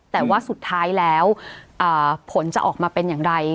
แต่ว่าสุดท้ายแล้วผลจะออกมาเป็นอย่างไร